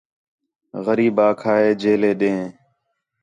غریب آکھا ہِے جیلے ݙیں